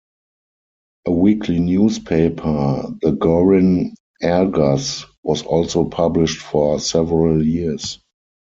A weekly newspaper, the "Gorin Argus" was also published for several years.